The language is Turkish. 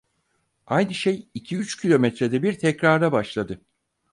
Aynı şey iki üç kilometrede bir tekrara başladı.